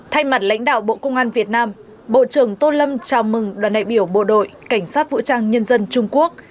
thay mặt lãnh đạo bộ công an việt nam bộ trưởng tô lâm chào mừng đoàn đại biểu bộ đội cảnh sát vũ trang nhân dân trung quốc